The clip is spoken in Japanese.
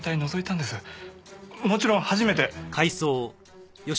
もちろん初めて。